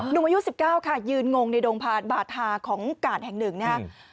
หนุ่มอายุ๑๙ค่ะยืนงงในดงพานบาทาของกาดแห่งหนึ่งนะครับ